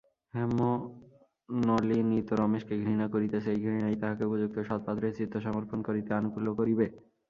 হেমনলিনী তো রমেশকে ঘৃণা করিতেছে–এই ঘৃণাই তাহাকে উপযুক্ত সৎপাত্রে চিত্তসমর্পণ করিতে আনুকূল্য করিবে।